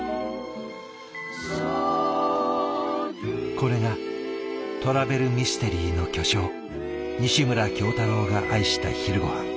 これがトラベルミステリーの巨匠西村京太郎が愛した昼ごはん。